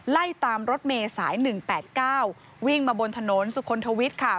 ไล่ตามรถเมย์สาย๑๘๙วิ่งมาบนถนนสุขนทวิทย์ค่ะ